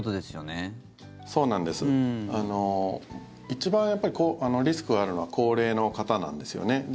一番リスクがあるのは高齢の方なんですよね。